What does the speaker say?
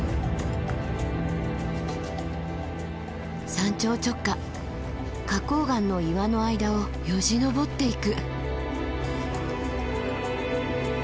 山頂直下花崗岩の岩の間をよじ登っていく。